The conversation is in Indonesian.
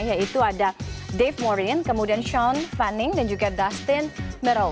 yaitu ada dave morin kemudian sean fanning dan juga dustin merrow